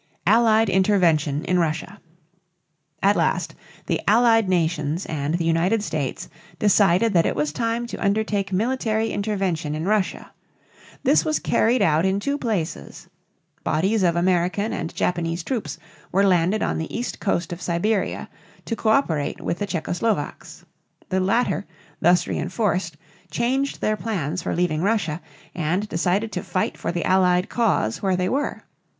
ALLIED INTERVENTION IN RUSSIA. At last the Allied nations and the United States decided that it was time to undertake military intervention in Russia. This was carried out in two places. Bodies of American and Japanese troops were landed on the east coast of Siberia to coöperate with the Czecho Slovaks. The latter, thus reënforced, changed their plans for leaving Russia and decided to fight for the Allied cause where they were.